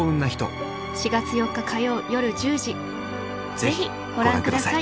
４月４日火曜夜１０時ぜひご覧ください